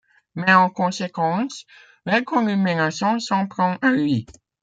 Mais, en conséquence, l'inconnu menaçant s'en prend à lui.